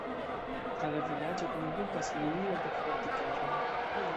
Tra la vilaĝo kondukas linio de fortikaĵoj.